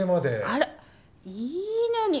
あらいいのに。